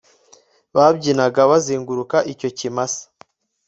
babyinaga bazenguruka icyo kimasa